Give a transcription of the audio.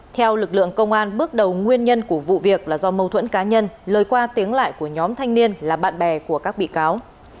theo lực lượng công an bước đầu nguyên nhân của vụ việc là do mâu thuẫn cá nhân lời qua tiếng lại của nhóm thanh niên là bạn bè của các bị cáo